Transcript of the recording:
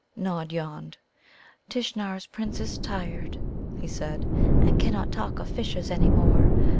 Nod yawned. "Tishnar's Prince is tired," he said, "and cannot talk of fishes any more.